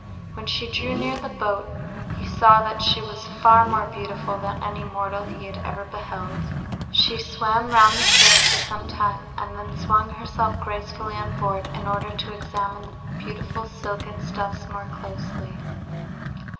When she drew near the boat he saw that she was far more beautiful than any mortal he had ever beheld. She swam round the ship for some time, and then swung herself gracefully on board, in order to examine the beautiful silken stuffs more closely.